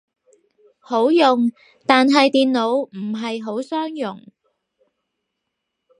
好用，但係電腦唔係好相容